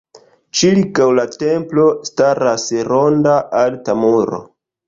Ĉirkaŭ la templo staras ronda alta muro.